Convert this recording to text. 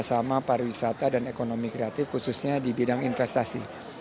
kerjasama pariwisata dan ekonomi kreatif khususnya di bidang investasi